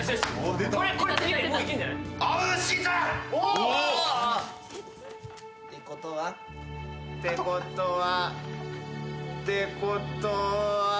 ・ってことは？ってことは。ってことは。